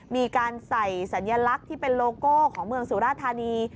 มีการใส่สัญลักษณ์ที่เป็นโลโก้ของเมืองสุราธานี